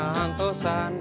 akang harus pergi